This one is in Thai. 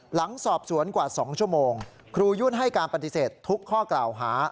หลังสอบสวนกว่า๒ชั่วโมงครูยุ่นให้การปฏิเสธทุกข้อกล่าวหา